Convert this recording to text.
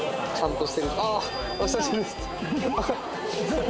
あっお久しぶりです。